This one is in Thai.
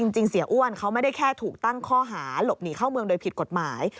เสียอ้วนเขาไม่ได้แค่ถูกตั้งข้อหาหลบหนีเข้าเมืองโดยผิดกฎหมาย